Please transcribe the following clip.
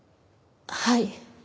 はい。